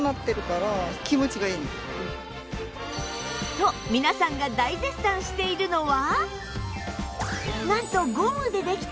と皆さんが大絶賛しているのは